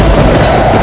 itu udah gila